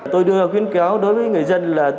tôi đưa khuyên kéo đối với người dân